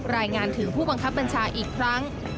รายงานถึงผู้บังคับบัญชาอีกครั้ง